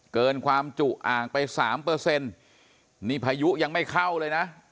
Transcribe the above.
เกินความจุอ่างไปสามเปอร์เซ็นต์นี่พายุยังไม่เข้าเลยนะ